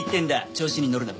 調子にのるな！